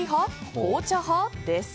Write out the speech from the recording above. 紅茶派？です。